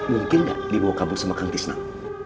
mungkin gak dibawa kabur sama kang tisnak